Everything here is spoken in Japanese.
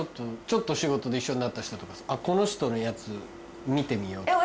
ちょっと仕事で一緒になった人とかさこの人のやつ見てみよう。